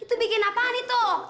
itu bikin apaan itu